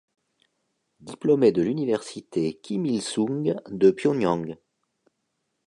Diplômé de l'université Kim Il-sung de Pyongyang.